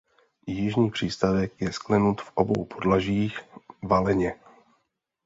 Jižní přístavek je sklenut v obou podlažích valeně.